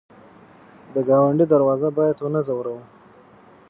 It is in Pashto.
د ګاونډي دروازه باید ونه ځوروو